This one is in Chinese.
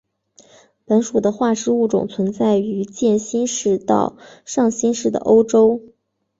本属的化石物种存在于渐新世到上新世的欧洲。